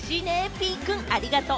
Ｐくん、ありがとう！